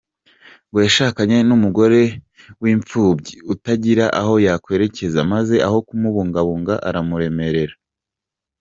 Ngo yashakanye n’umugore w’imfubyi utagira aho yakwerekeza maze aho kumubungabunga aramuremerera.